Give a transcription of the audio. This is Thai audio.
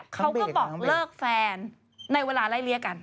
เขาก็บอกเลิกแฟนในเวลาไล่เลี่ยกัน